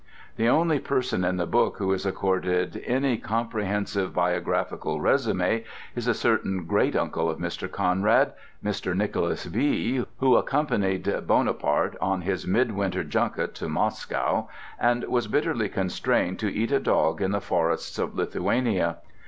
The only person in the book who is accorded any comprehensive biographical résumé is a certain great uncle of Mr. Conrad, Mr. Nicholas B., who accompanied Bonaparte on his midwinter junket to Moscow, and was bitterly constrained to eat a dog in the forests of Lithuania.